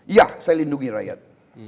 ya saya lindungi rakyat